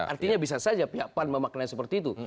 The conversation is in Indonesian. artinya bisa saja pihak pan memaknai seperti itu